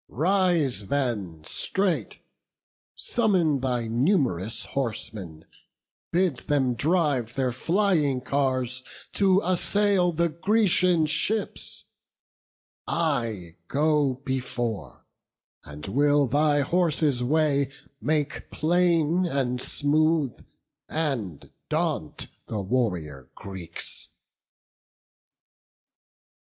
Rise then straight; Summon thy num'rous horsemen; bid them drive Their flying cars to assail the Grecian ships: I go before: and will thy horses' way Make plain and smooth, and daunt the warrior Greeks."